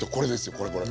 これこれ。